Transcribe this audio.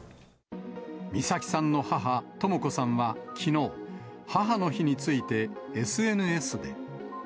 美咲さんの母、とも子さんはきのう、母の日について、ＳＮＳで。